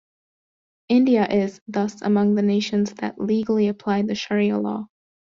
India is, thus, among the nations that legally apply the Sharia law.